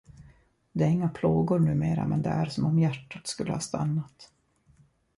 Det är inga plågor numera men det är som om hjärtat skulle ha stannat.